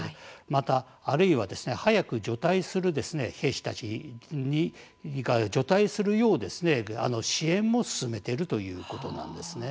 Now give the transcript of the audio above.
またあるいは早く除隊する兵士たちが除隊するよう支援も進めているということなんですね。